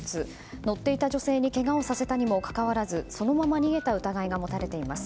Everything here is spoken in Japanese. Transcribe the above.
乗っていた女性にけがをさせたにもかかわらずそのまま逃げた疑いが持たれています。